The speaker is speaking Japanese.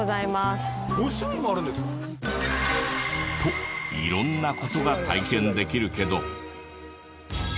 ５種類もあるんですか？と色んな事が体験できるけど。